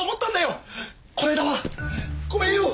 この間はごめんよ。